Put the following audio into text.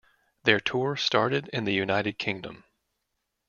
Their tour started in the United Kingdom.